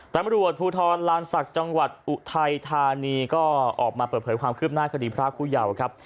ตำรวจภูทรลานศักดิ์จังหวัดอุทัยธานีก็ออกมาเปิดเผยความคืบหน้าคดีพระผู้เยาว์ครับ